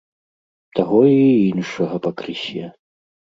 Таго й іншага пакрысе?